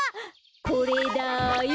これだよ！